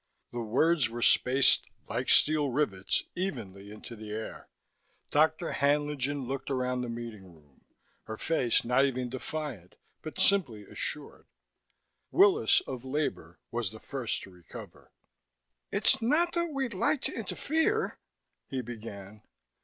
The words were spaced, like steel rivets, evenly into the air. Dr. Haenlingen looked around the meeting room, her face not even defiant but simply assured. Willis, of Labor, was the first to recover. "It's not that we'd like to interfere " he began.